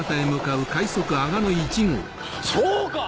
そうか！